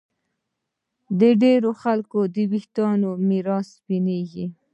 د ډېرو خلکو ویښته میراثي سپینېږي